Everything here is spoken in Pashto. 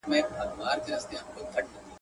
نه له چا سره د مړي د غله غم وو.